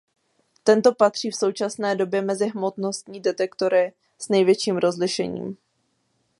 Tento patří v současné době mezi hmotnostní detektory s největším rozlišením.